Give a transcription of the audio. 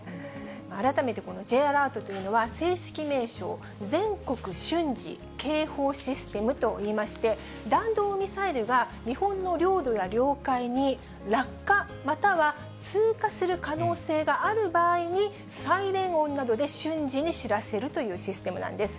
改めてこのＪアラートというのは、正式名称、全国瞬時警報システムといいまして、弾道ミサイルが日本の領土や領海に落下または通過する可能性がある場合に、サイレン音などで瞬時に知らせるというシステムなんです。